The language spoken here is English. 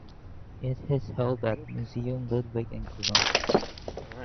It his held at the Museum Ludwig in Cologne.